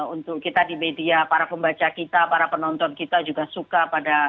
untuk kita di media para pembaca kita para penonton kita juga suka pada